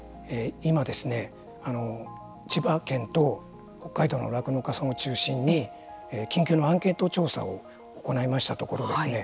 今、千葉県と北海道の酪農家さんを中心に緊急のアンケート調査を行いましたところですね